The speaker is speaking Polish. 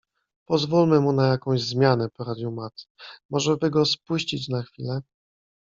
Pozwólmy mu na jakąś zmianę poradził Matt. - Może by go spuścić na chwilę?